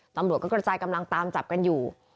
ตำรวจก็กระจายกำลังตามจับกันอยู่